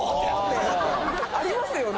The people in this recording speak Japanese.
ありますよね。